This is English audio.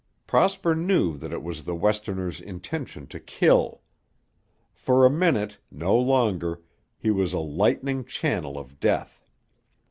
Prosper knew that it was the Westerner's intention to kill. For a minute, no longer, he was a lightning channel of death.